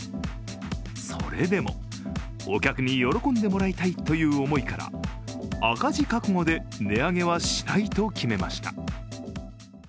それでも、お客に喜んでもらいたいという思いから赤字覚悟で値上げはしないと決めました。